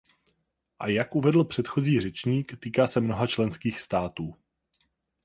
A jak uvedl předchozí řečník, týká se mnoha členských států.